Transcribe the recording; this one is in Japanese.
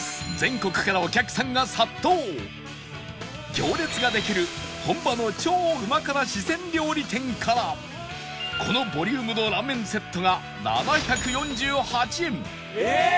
行列ができる本場の超うま辛四川料理店からこのボリュームのラーメンセットが７４８円ええー！